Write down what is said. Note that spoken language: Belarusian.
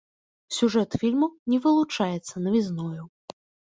Сюжэт фільму не вылучаецца навізною.